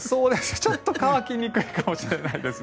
ちょっと乾かないかもしれないですね。